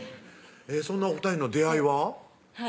そんなお２人の出会いは？